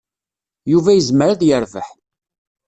Yuba yezmer ad yerbeḥ.